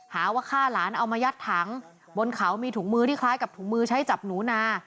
หาว่าฆ่าหลานเอามายัดถังบนเขามีถุงมือที่คล้ายกับถุงมือใช้จับหนูนา